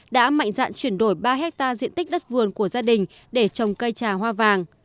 đã mạnh dạn chuyển đổi ba hectare diện tích đất vườn của gia đình để trồng cây trà hoa vàng